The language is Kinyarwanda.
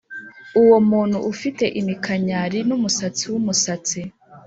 uwo muntu ufite iminkanyari n umusatsi wumusatsi.